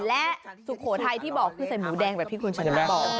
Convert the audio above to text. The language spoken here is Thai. และสุโขทัยที่บอกคือใส่หมูแดงแบบที่คุณชนะบอก